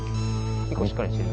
結構しっかりしてる。